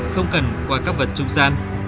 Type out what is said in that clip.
không cần qua các vật trung gian